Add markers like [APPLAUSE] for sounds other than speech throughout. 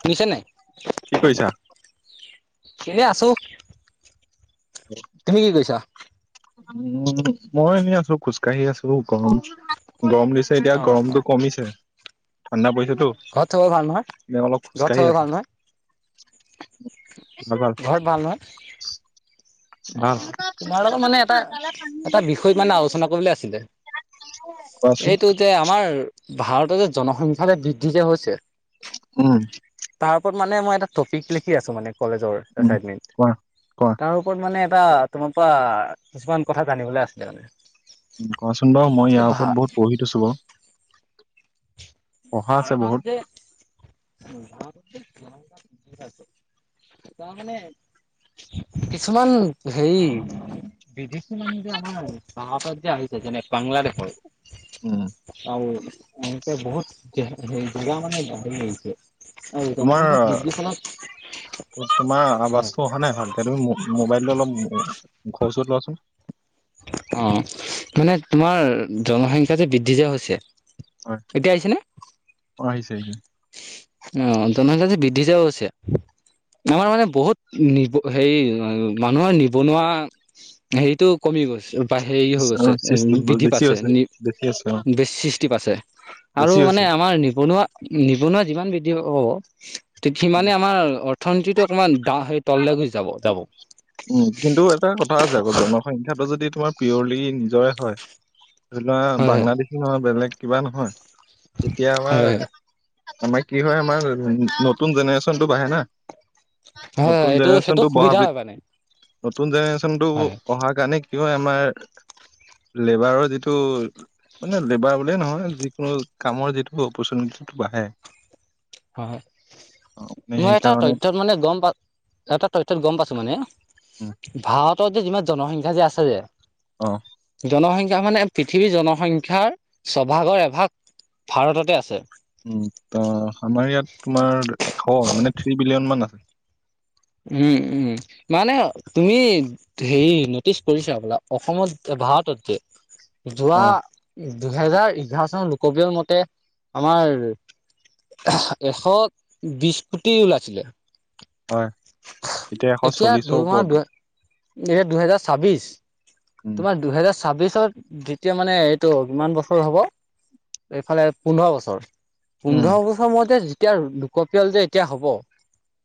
শুনিছা নাই? কি কৰিছা? চ' তুমি কি কৰিছা? উম, মই এনেই আছো খোজকাঢ়ি আছো গম গৰম দিছে এতিয়া অ অ গৰমটো কমিছে, ঠাণ্ডা পইছত টো ঘৰত চবৰে ভাল নহয় দে অলপ ঘৰত খোজকাাঢ়ি আছে। ঘৰ ভাল হয়? অ, ভাল। তোমাৰ লগত মানে এটা এটা বিষয় মানে আলোচনা কৰিবলে আছিলে? কোৱাচোন এইটো যে আমাৰ ভাৰততে যে জনসংখ্যা যে বৃদ্ধি যে হৈছে উম। তাৰ ওপৰত মানে মই এটা টপিক লিখি আছো মানে কলেজৰ উম এচাইনমেণ্ট, কোৱা। কোৱা তাৰ ওপৰত মানে এটা তোমাৰ পৰা কিছুমান কথা জানিবলৈ আছিলে মানে। কোৱাচোন বাৰু মই ইয়াৰ ভা ওপৰত বহুত পঢ়ি থৈছোঁ বাৰু। পঢ়া আছে ভাৰতত বহুত যে ভাৰত তাৰ মানে কিছুমান হেৰি বিদেশী মানুহ যে আমাৰ ভাৰতত যে আহিছে যেনে বাংলাৰে হয় উম আৰু এক বহুত জিলা মানে বাঢ়ি আহিছে। আৰু তোমাৰ জনসংখ্যা বৃদ্ধিৰ ফলত তোমাৰ আৱাজটো অহা নাই ভালকে, তুমি মো মোবাইলটো অলপ ঘৰ ওচৰত লোৱাচোন। অ মানে তোমাৰ জনসংখ্যা যে বৃদ্ধি যে হৈছে এতিয়া আহিছেনে? উমহু। অ অন্তম যে বিৃদ্ধি যাও আছে। [UNINTELLIGIBLE] আমাৰ মানে বহুত নিব হেৰি মানুহৰ নিবনুৱা হেৰিতটো কমি গৈছে বা হেৰি হৈ গৈছে উ বৃদ্ধি বেছি পাইছে হৈছে নি বেছি হৈছে অ বেছ সৃষ্টি পাইছে আৰু বেছি মানে হৈছে। আমাৰ নিবনুৱা নিবনুৱা যিমান বৃদ্ধি প পব তে সিমানে আমাৰ অৰ্থনীতিতটো অকণমান উম কিন্তু এটা কথা আছে আকৌ জনসংখ্যা টো যদি তোমাৰ। পিয়লি নিজৰে হয় ধৰি লোৱা হয় হয় বাংলাদেশী নহয় বেলেগ কিবা নহয় এতিয়াআমাৰ হয় হয় আমাৰ কি হয় আমাৰ নতুন জেনেৰেচনটো বাঢ়ে না হয় হয় নতুন এইটো সেইটো জেনেৰেশ্যনটো সুবিধা বহাব, হয় মানে নতুন জেনেৰেশ্যনটো হয় অহা কাৰনে কিয় হয় আমাৰ, লেবাৰৰ যিটো মানে লেবাৰ বুলিয়ে নহয় যিকোনো কামৰ যিটো অপৰচুনিটিটো বাঢ়ে। হয় হয় অ', মানে মই এটা সেইকাৰণে তথ্যত মানে গম পা এটা তথ্যত গম পাইছো মানে, উম, ভাৰতত যে যিমান জনসংখ্যা যে আছে যে অ', জনসং মানে পৃথিৱীৰ জনসংখ্যাৰ ছভাগৰ এভাগ ভাৰততে আছে। উম ত আমাৰ ইয়াত তোমাৰ এশ মানে থ্ৰী বিলিয়ন মান উম উম মানে তুমি হেৰি নটিচ কৰিছা বোলা অসমত ভাৰতত যে যোৱা অ', দুহেজাৰ এঘাৰ চনৰ লোকপ্ৰিয় মতে আমাৰ এশ বিশ কোটি ওলাইছিলে‌। হয় এতিয়া এশ চল্লিশৰ ওপৰত গ এয়া দুহেজাৰ ছাব্বিশ উম, তোমাৰ দুহেজাৰ ছাব্বিশ তাৰপিছত যেতিয়া মানে এইটো কিমান বছৰ হব এইফালে পোন্ধৰ বছৰ উম। পোন্ধৰ বছৰ মোৰত যে যেতিয়া লোকপিয়ল যে এতিয়া হব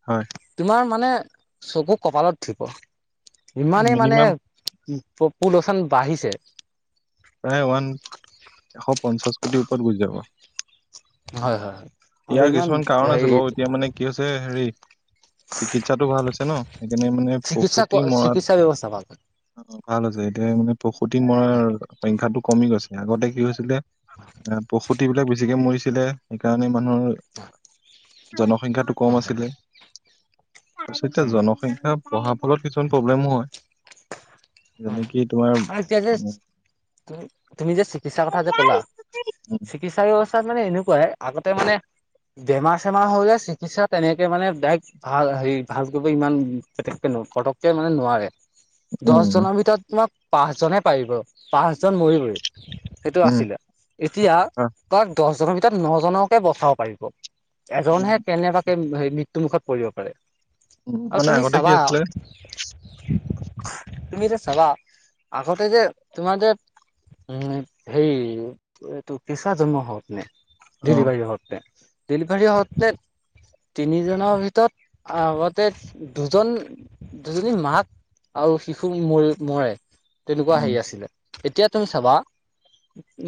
হয়, তোমাৰ মানে। চকু কপালত ধুব ইমানেই মানে মিনিমাম উ পুলচান বাঢ়িছে প্ৰায় ওৱান এশ পঞ্চাশ কোটিৰ ওপৰত গুচি যাব হয় হয় হয় আৰু ইয়াৰ ইমান কিছুমান কাৰণ হেৰি আছে বাৰু এতিয়া মানে কি হৈছে হেৰি চিকিৎসাটো ভাল হৈছে ন সেইকাৰণে মানে চিকিৎসা পসূতি মৰাত চিকিৎসা ব্যৱস্থা ভাল হয় অ ভাল আছে এতিয়া মানে প্ৰসূতি মৰাৰ সংখ্যাটো কমি গৈছে আগতে কি হৈছিলে এ প্ৰসূতি বিলাক বেছিকে মৰিছিলে সেইকাৰণে। জনক সংখ্যটো কম হয় হয় আছিলে তাৰপাছত জনসংখ্যা ফলত কিছুমান প্ৰব্লেমো হয়। অ যেনেকি তোমাৰ আৰু এতিয়া যে উম তুমি যে চিকিৎসাৰ কথা যে কলা। চিকিৎসা ব্যৱস্থাত মানে এনেকুৱাই আগতে মানে বেমাৰ চেমাৰ হলে চিকিৎসা তেনেকে মানে ডাৰেক ভাল হেৰি ভাল কৰিব ইমান পটককে মানে নোৱাৰে, উম উম দহজনৰ ভিতৰত তোমাৰ পাঁচজনে পাৰিব পাঁচজন মৰিবই‌। সেইটো উম আছিলে এতিয়া আহ, তাৰ দহজনৰ ভিতৰত নজনকে বচাব পাৰিব উম, এজনহে কেনেবাকে মৃত্যু মুুখত পৰিব পাৰে। উ আৰু মানে তুমি আগতে কি চাবা আছিলে। তুমি যে চাবা আগতে যে তোমাৰ যে উম সেই এইটো পিছা জন্ম হপ নে অ ডেলিভাৰী হতে ডেলিভাৰী হতে তিনিজনৰ ভিতৰত আগতে দুজন দুজনী মাক আৰু শিশু ম মৰে তেনেকুৱা উম হেৰি আছিলে এতিয়া তুমি চাবা।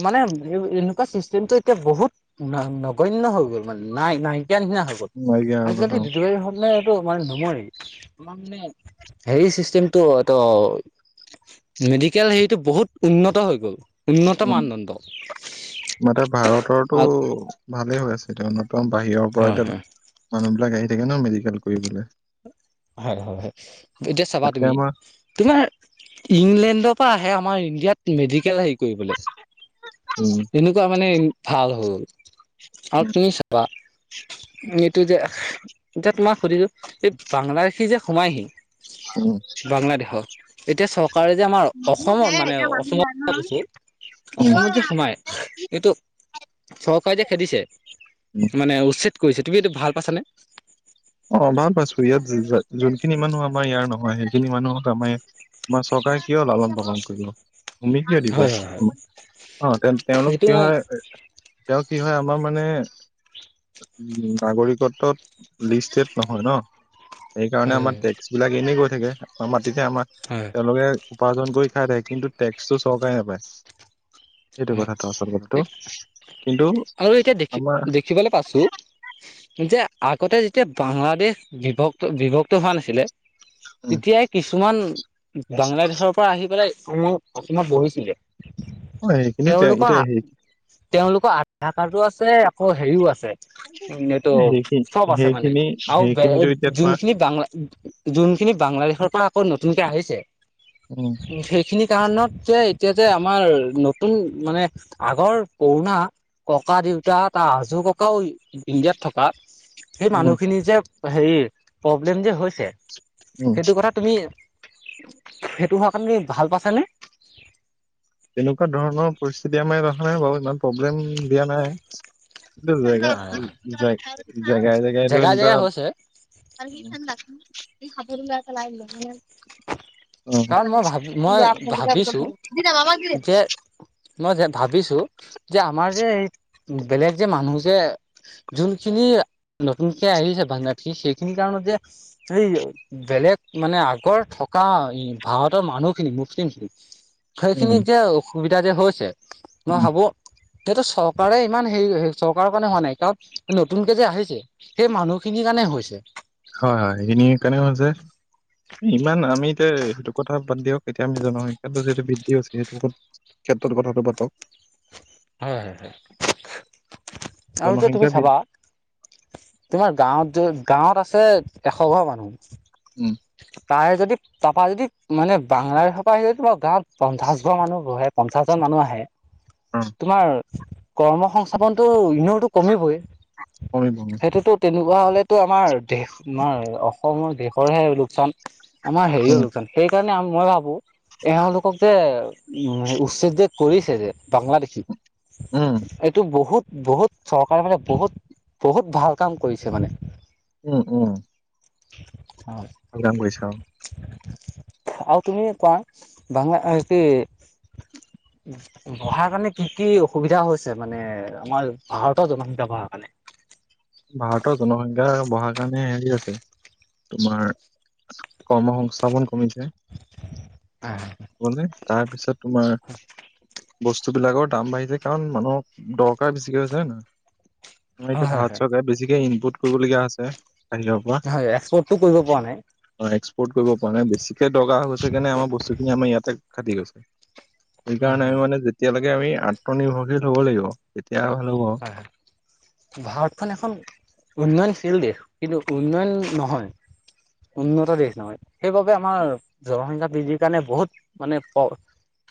মানে এনেকুৱা চিষ্টেমটো এতিয়া বহুত নগন্য হৈ গ'ল মানে নাই নাই ইতিয়া নিচিনা হৈ গ'ল নাইকিয়া হৈ গ'ল, আজিকালি অ, বিজয়ী হলনে। মানে নমই তাৰ মানে হেৰি চিষ্টেমটো তো মেডিকেল হেৰিটো বহুত উন্নত হৈ গ'ল। উন্নত উ মানদণ্ড হয় মানে ভাৰতৰটো ভালেই হৈ আছে এতিয়া। একদম বাহিৰৰ পৰা হয় এতিয়া মানুহ বিলাক আহি থাকে ন মেডিকেল কৰিবলৈ। হয় হয় হয়। এতিয়া চাবা তাতকে তুমি আমাৰ তোমাৰ ইংলেণ্ডৰ পৰা আমাৰ ইণ্ডিয়াত মেডিকেল হেৰি কৰিবলৈ উম এনেকুৱা মানে ভাল হ'ল। আৰু উম তুমি চাবা। এইটো যে এতিয়া তোমাক সুধিছো এই বাংলাদেশী যে সোমাইহি। অ বাংলাদেশত এতিয়া চৰকাৰে যে আমাৰ অসমত মানে অসমত কৈছো অসমত যে উম সোমায়। এইটো চৰকাৰে যে খেদিছে উম। মানে উচ্ছেদ কৰিছে তুমি এইটো ভাল পাইছানে? অ ভাল পাইছো ইয়াত যোনখিনি মানুহ আমাৰ ইয়াৰ নহয় সেইখিনি মানুহক আমাৰ ইয় আমাৰ চব তাই কিয়' লালন পাচন কৰিব। মিট কিয় দিব হয় হয় হয়। অ তেওঁ তেওঁলোক এইটো কি হয় তেওঁ কি হয় আমাৰ মানে নাগৰিকত্বত। লিষ্টেড নহয় ন সেইকাৰণে আমাৰ হয় টেক্স বিলাক এনেই গৈ থাকে আমাৰ। তেতিয়া আমাৰ হয় তেওঁলোকে উপাৰ্জন কৰি খাই থাকে কিন্তু টেক্সটো চৰকাৰে নাপায়। এইটো হয় কথাটো আচল কথাটো। কিন্তু আৰু এতিয়া দেখি আমাৰ দেখিবলৈ পাইছো যে। আগতে যেতিয়া বাংলাদেশ বিভক্ত বিভক্ত হোৱা নাছিলে। উম তেতিয়াই কিছুমান বাংলাদেশৰ পৰা আহি পেলায় অসমত বহিছিলে। হয় সেইখিনি তেওঁলোকৰ তেওঁলোকে সেই। তেওঁলোকৰ আধাৰ কাৰ্ডো আছে আকৌ হেৰিও আছে। টো সেইখিনি চব আছে মানে সেইখিনি আৰু সেইখিনিতো এতিয়া তোমাৰ যোনখিনি বাংলা যোন। খিনি বাংলাদেশৰ পৰা। নতুনকে আহিছে উম সেইখিনি কাৰণত যে এতিয়া যে আমাৰ। নতুন মানে আগৰ পুৰণা ককা দেউতা তাৰ আজোৰ ককাও ইণ্ডিয়াত থকা। সেই উম মানুহখিনি যে হেৰি প্ৰব্লেম যে হৈছে। উম সেইটো কথা তুমি সেইটো হোৱাৰ কাৰণে ভাল পাইছানে। এনেকুৱা ধৰণৰ পৰিস্থিতি আমাৰ কথা নাই বাৰু ইমান প্ৰব্লেম দিয়া নাই। এইটো জেগা উ জ জেগাই জেগাই লৈ জেগাই হৈছে কাৰণ মই ভাবি মই ভাবিছো এনেকুৱা [UNINTELLIGIBLE] [UNINTELLIGIBLE] যে মই যে ভাবিছো। যে আমাৰ যে এই বেলেগ যে মানুহ যে যোনখিনি নতুনকে আহিছে। বাংলা দেখি সেইখিনি কাৰণত যে এই বেলেগ মানে আগৰ থকা ভাৰতৰ মানুহখিনি মুছলিম খিনিক উম সেইখিনিক যে অসুবিধা যে হৈছে। মই উম ভাবো। সিহটো চৰকাৰে ইমান হেৰি চৰকাৰৰ কাৰণে হোৱা নাই কাৰণ নতুনকে যে আহিছে সেই মানুহখিনিৰ কাৰণে। নে হৈছে। হয় হয় সেইখিনি কাৰণে হৈছে ইমান আমি এতিয়া সেইটো কথা বাদ দিয়ক। এতিয়া আমি জনসংখ্যাটো যিটো বৃদ্ধি হৈছে সেইটো ক্ষেত্ৰত। কথাটো পাতক হয় হয়। আৰু যে তুমি জনসংখ্যা চাবা বৃদ্ধি তোমাৰ গাঁৱত যে গাঁৱত আছে এশ ঘৰ মানুহ। উম তাৰে যদি যদি তাৰপৰা যদি মানে বাংলাৰ সৰ পৰা আহি যদি গাঁৱত পঞ্চাছবৰ মানুহ বহে পঞ্চাছজন মানুহ আহে। অ তোমাৰ কৰ্ম সংস্থাপনতটো ইনৰতো কমিবই। হয়। পোৱা হ'লেতো আমাৰ দেশ আমাৰ অসমৰ দেশৰহে লোকচান। আমাৰ হেৰিয় লোকচান সেই কাৰনে মই ভাবো এওঁলোকক যে উ উচ্ছেদ যে কৰিছে যে বাংলাদেশী উম এইটো বহুত বহুত চৰকাৰে মানে বহুত বহুত ভাল কাম কৰিছে মানে। উম উম। [INAUDIBLE] ভাল কাম কৰিছে অ'। আৰু তুমি কোৱা বালা ভ কি বঢ়াৰ কাৰণে কি কি অসুবিধা হৈছে মানে আমাৰ ভাৰতৰ জনসংখ্যা বঢ়াৰ কাৰণে? ভাৰতৰ জনসংখ্যা বঢ়াৰ সেইকাৰণে হেৰি আছে তোমাৰ কৰ্ম সংস্থাপন কমি হয় ম তাৰপিছত তোমাৰ বস্তু বিলাকৰ দাম বাঢ়িছে কাৰণ মানুহক দৰকাৰ বেছিকে হৈছে হয় নে নহয় এতিয়া হয় ভাত হয়। কে বেছিকে ইনপুট কৰিবলগীয়া হৈছে হয় এক্সপৰ্টটো কৰিব পৰা নাই। [UNINTELLIGIBLE] পৰা পৰা নাই বেছিকে দৰকাৰ হৈছে কাৰণে আমাৰ বস্তুখিনি আমাৰ ইয়াতে কাটি গৈছে। হয় সেইকাৰণে আমি হয় মানে যেতিয়ালৈকে আমি আত্মনিৰ্ভৰশীল হব লাগিব। তেতিয়া ভাল হব। হয় হয়। ভাৰতখন এখন উন্নয়নশীল দেশ কিন্তু উন্নয়ন নহয়। উন্নত দেশ নহয় সেইবাবে আমাৰ জনসংখ্যা বৃদ্ধিৰ কাৰণে বহুত মানে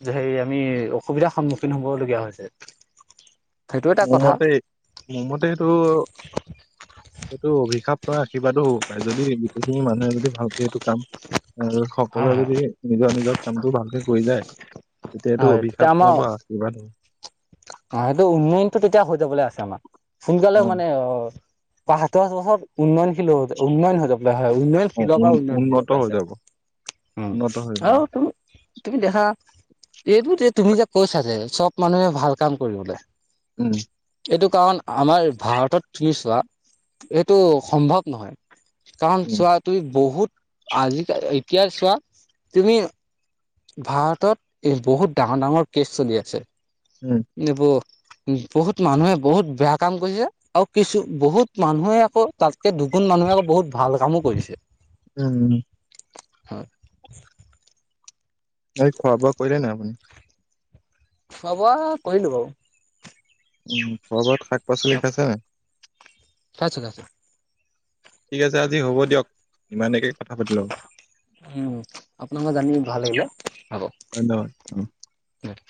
যে সেই আমি অসুবিধাৰ সন্মুখীন হবলগীয়া হৈছে। সেইটো এটা কথা। মোৰমতে মোৰমতে এইটো এইটো অভিশাপ। আশীৰ্বাদো হ'ব পাৰে যদি গোটেইখিনি মানুহে যদি ভালকে সেইটো কাম আৰু হয় সকলোৱে হয়। যদি নিজৰ নিজৰ কামটো ভালকে কৰি যায় তেতিয়াতো অভিশাপ [UNINTELLIGIBLE] অ সেইটো উন্নয়নতটো তেতিয়া হৈ যাবলৈ আছে আমাৰ সোনকালে মানে অ পাঁচ দহ বছৰত উন্নয়নশীল হব লাগিব উন্নয়ন হব লাগিব। হয় উন্নয়ন অ', পৰা উন উন্নয়নশীল হৈ যাব উন্নত আছে উ উন্নত হৈ যাব আৰু তম তুমি দেখা এইটো যে তুমি যে কৈছা যে চব মানুহে ভাল কাম কৰিবলৈ উম। এইটো কাৰণ আমাৰ ভাৰতত তুমি চোৱা এইটো সম্ভৱ নহয়। কাৰণ উম, চোৱা তুমি বহুত আজি এতিয়া চোৱা তুমি ভাৰতত এই বহুত ডাঙৰ ডাঙৰ কেছ চলি আছে উম, এইবৌ বহুত মানুহে বহুত বেয়া কাম কৰিছে আৰু কিছু বহুত মানুহে আকৌ তাতকে দু গোন মানুহে আকৌ বহুত ভাল কামো কৰিছে। উম। আৰু এই খোৱা বোৱা কৰিলে নাই আপুনি? খুৱা বোৱা কৰিলোঁ বাৰো। উ ঘৰবত শাক পাচলি আছে? পাইছোঁ পাইছোঁ। ঠিক আছে আজি হ'ব দিয়ক ইমানেকে উম আপোনালোকৰ জানি ভাল লাগিলে হব। ধন্যবাদ। উম।